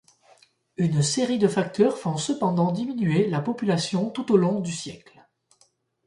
Une série de facteurs font cependant diminuer la population tout au long du siècle.